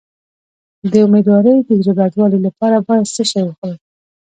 د امیدوارۍ د زړه بدوالي لپاره باید څه شی وخورم؟